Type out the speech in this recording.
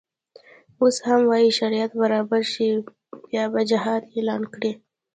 اوس هم وایي شرایط برابر شي بیا به جهاد اعلان کړي.